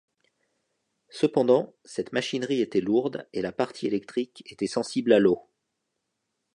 Cependant, cette machinerie était lourde et la partie électrique était sensible à l'eau.